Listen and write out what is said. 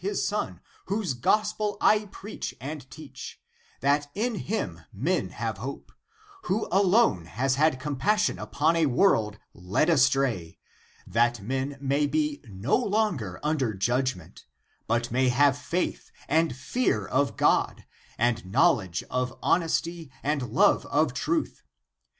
ACTS OF PAUL 21 Son, whose gospel I preach and teach, that in him men have hope ; who alone has had compassion upon a world led astray, that men may be no longer un der judgment, but may have faith and fear of God and knowledge of honesty and love of truth.